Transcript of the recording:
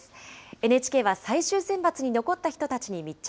ＮＨＫは最終選抜に残った人たちに密着。